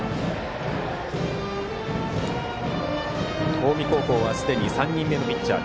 近江高校はすでに３人目のピッチャー。